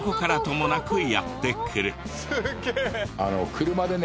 車でね